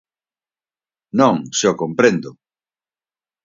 Non, se o comprendo.